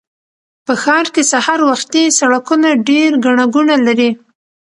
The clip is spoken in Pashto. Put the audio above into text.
په ښار کې سهار وختي سړکونه ډېر ګڼه ګوڼه لري